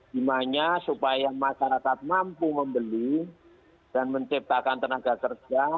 demandnya supaya masyarakat mampu membeli dan menciptakan tenaga kerja